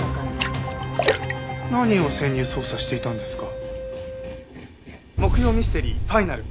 何を潜入捜査していたんですか？